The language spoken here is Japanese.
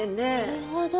なるほど。